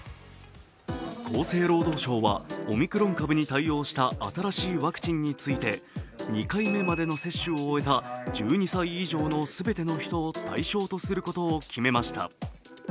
厚生労働省はオミクロン株に対応した新しいワクチンについて２回目までの接種を終えた１２歳以上の全ての人を対象とすることを決めました。